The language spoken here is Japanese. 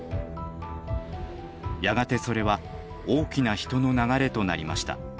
やがてそれは大きな人の流れとなりました。